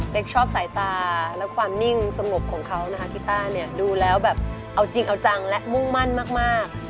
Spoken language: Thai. เป็นชอบสายตาและความนิ่งสงบของเขานะคะกีต้าเนี่ยดูแล้วแบบเอาจริงเอาจังและมุ่งมั่นมาก